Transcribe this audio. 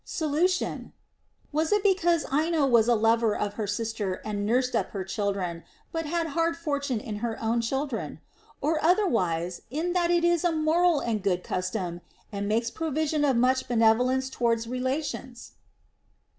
Solution. Was it because Ino was a lover of her sister and nursed up her children, but had hard fortune in her own children I Or otherwise, in that it is a moral and good custom, and makes provision of much benevolence towards relations